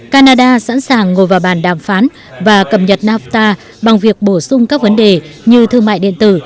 canada sẵn sàng ngồi vào bàn đàm phán và cập nhật nafta bằng việc bổ sung các vấn đề như thương mại điện tử